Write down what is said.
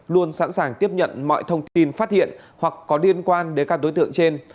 luôn sẵn sàng tiếp nhận mọi thông tin phát hiện hoặc có liên quan đến các đối tượng trên